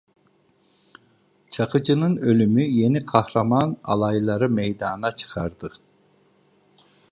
Çakıcının ölümü, yeni kahraman alayları meydana çıkardı.